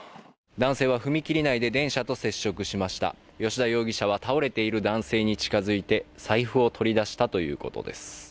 男性は踏切内で電車と接触しました吉田容疑者は倒れている男性に近づいて財布を取り出したということです